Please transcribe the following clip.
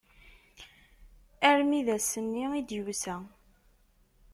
Armi d ass-nni i d-yusa.